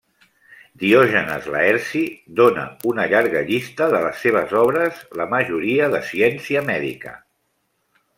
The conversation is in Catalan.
Diògenes Laerci dóna una llarga llista de les seves obres la majoria de ciència mèdica.